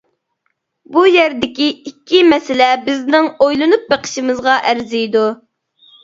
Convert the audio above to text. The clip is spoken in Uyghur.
بۇ يەردىكى ئىككى مەسىلە بىزنىڭ ئويلىنىپ بېقىشىمىزغا ئەرزىيدۇ.